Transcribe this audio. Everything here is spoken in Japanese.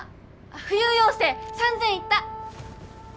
浮遊幼生３，０００いった！